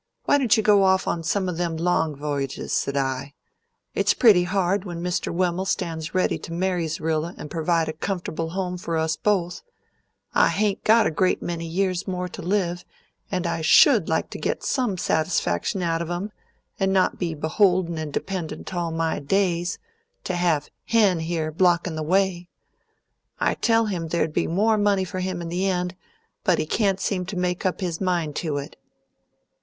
Why don't you go off on some them long v'y'ges? s'd I. It's pretty hard when Mr. Wemmel stands ready to marry Z'rilla and provide a comfortable home for us both I hain't got a great many years more to live, and I SHOULD like to get some satisfaction out of 'em, and not be beholden and dependent all my days, to have Hen, here, blockin' the way. I tell him there'd be more money for him in the end; but he can't seem to make up his mind to it."